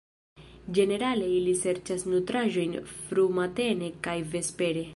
Ĝenerale ili serĉas nutraĵojn frumatene kaj vespere.